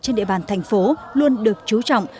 trên địa bàn thành phố luôn được chú trọng